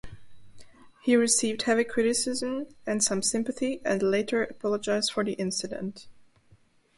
He received heavy criticism, and some sympathy, and later apologised for the incident.